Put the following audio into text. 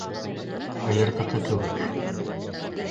Һыйырҙыҡы кеүек!